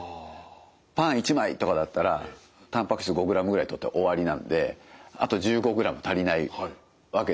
パン１枚とかだったらたんぱく質５ｇぐらいとって終わりなのであと１５ｇ足りないわけですよね。